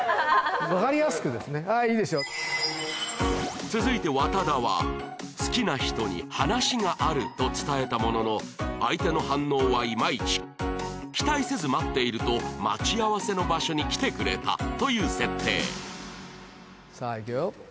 分かりやすくですねはいいいでしょう続いて和多田は好きな人に話があると伝えたものの相手の反応はいまいち期待せず待っていると待ち合わせの場所に来てくれたという設定さあいくよ